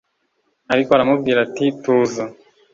ariko aramubwira ati tuza